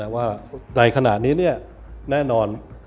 ว่าในขณะนี้แน่นอน